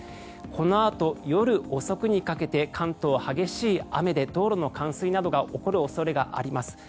このあと夜遅くにかけて関東、激しい雨で道路の冠水などが起こる恐れがあります。